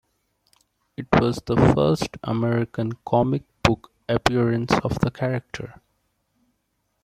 It was the first American comic book appearance of the character.